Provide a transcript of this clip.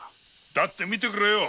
だって見てくれよ